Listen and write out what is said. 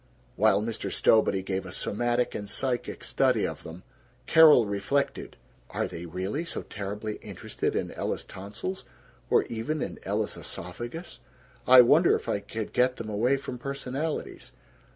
While Mr. Stowbody gave a somatic and psychic study of them, Carol reflected, "Are they really so terribly interested in Ella's tonsils, or even in Ella's esophagus? I wonder if I could get them away from personalities?